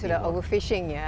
sudah over fishing ya